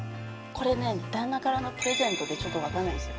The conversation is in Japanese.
これは旦那からのプレゼントでちょっと分からないんです。